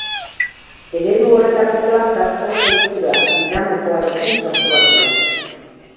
Eredu horretako plantak oso egitura dinamokoarekin sortuak dira.